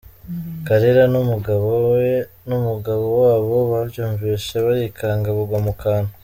" Kalira n’umugabo we n’umugabo wabo babyumvise barikanga bagwa mu kantu.